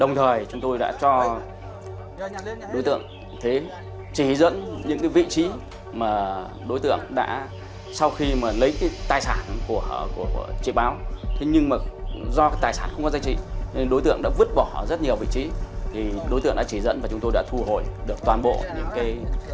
trong thời chúng tôi đã cho đối tượng thế chỉ dẫn những vị trí mà đối tượng đã sau khi lấy tài sản của trị báo nhưng mà do tài sản không có giá trị nên đối tượng đã vứt bỏ rất nhiều vị trí thì đối tượng đã chỉ dẫn và chúng tôi đã thu hồi được toàn bộ những tài sản của trị báo